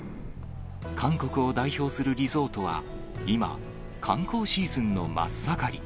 韓国を代表するリゾートは今、観光シーズンの真っ盛り。